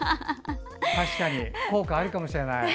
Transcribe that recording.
確かに効果があるかもしれない。